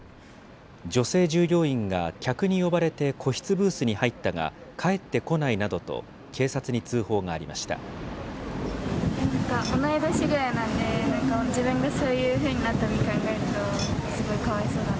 女性従業員が客に呼ばれて個室ブースに入ったが帰ってこないなどと、警察に通報がありました。